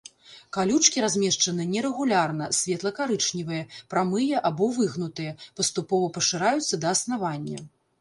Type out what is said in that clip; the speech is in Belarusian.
Калючкі размешчаны нерэгулярна, светла-карычневыя, прамыя або выгнутыя, паступова пашыраюцца да аснавання.